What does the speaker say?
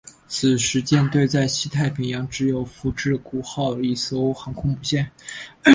此时舰队在西太平洋只有福治谷号一艘航空母舰。